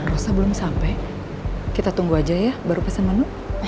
rosa belum sampai kita tunggu aja ya baru pesan menu